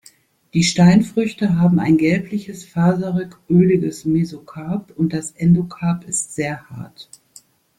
Die Steinfrüchte haben ein gelbliches, faserig-öliges Mesokarp und das Endokarp ist sehr hart.